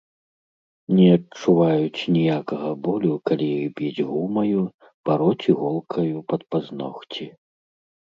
Не адчуваюць ніякага болю, калі іх біць гумаю, пароць іголкаю пад пазногці.